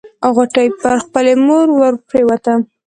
غوټۍ پر خپلې مور ورپريوته.